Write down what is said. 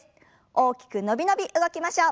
大きく伸び伸び動きましょう。